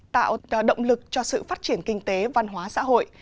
tạo động lực cho sự phát triển kinh tế văn hóa xã hội